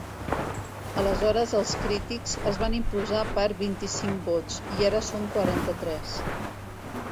Aleshores els crítics es van imposar per vint-i-cinc vots, i ara són quaranta-tres.